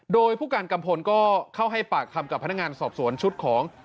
โดยผู้การกัมพลก็เข้าให้ปากคำกับพนักงานสอบสวนชุดของ